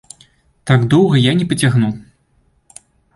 Так я доўга не пацягну.